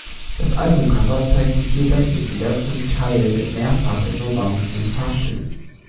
Das Albumcover zeigt die vier Bandmitglieder zum Teil mehrfach in orangen Farbtönen.